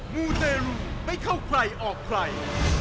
มูเตรลูไม่เข้าใครออกใคร